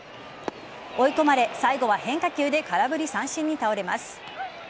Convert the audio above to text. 追い込まれ、最後は変化球で空振り三振に倒れます。